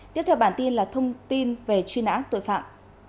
tiếp theo bản tin là thông tin về truy nã tội phạm